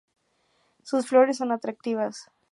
Sus flores son atractivas.